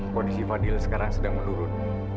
kondisi fadil sekarang sedang menurun